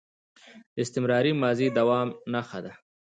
استمراري ماضي د دوام نخښه ده.